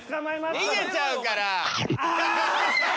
逃げちゃうから！